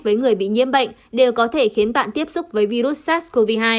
với người bị nhiễm bệnh đều có thể khiến bạn tiếp xúc với virus sars cov hai